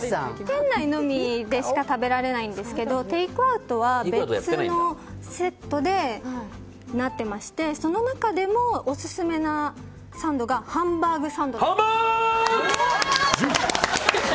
店内のみでしか食べられないんですけどテイクアウトは別のセットになってましてその中でもオススメなサンドがハンバーグ！